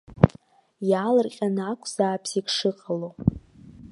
Иаалырҟьаны акәзаап зегь шыҟало.